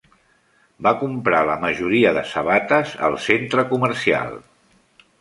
Va comprar la majoria de sabates al centre comercial